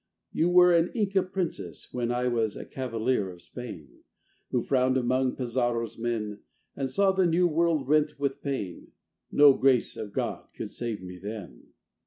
You were an Inca princess when I was a cavalier of Spain, Who frowned among Pizarro's men, And saw the New World rent with pain. No grace of God could save me then.